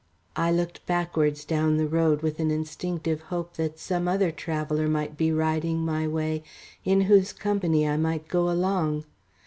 I looked backwards down the road with an instinctive hope that some other traveller might be riding my way in whose company I might go along.